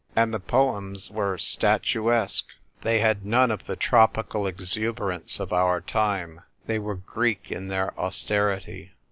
And the poems were statuesque ; they had none of the tropical exuberance of our time ; they were Greek in their austerity.